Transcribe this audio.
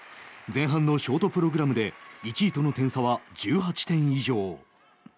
前半のショートプログラムで１位との点差は１８点以上。